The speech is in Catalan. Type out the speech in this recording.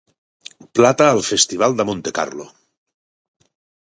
Plata al festival de Montecarlo